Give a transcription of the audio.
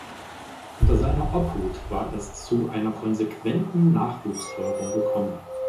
Unter seiner Obhut war es zu einer konsequenten Nachwuchsförderung gekommen.